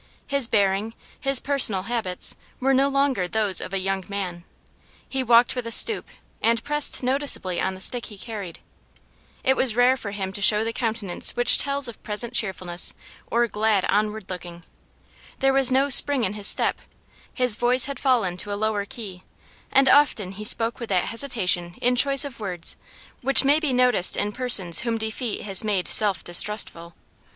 His bearing, his personal habits, were no longer those of a young man; he walked with a stoop and pressed noticeably on the stick he carried; it was rare for him to show the countenance which tells of present cheerfulness or glad onward looking; there was no spring in his step; his voice had fallen to a lower key, and often he spoke with that hesitation in choice of words which may be noticed in persons whom defeat has made self distrustful.